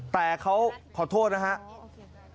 แต่เขาขอโทษนะครับ